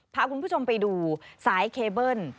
พาคุณผู้ชมไปดูสายเคเบิ้ล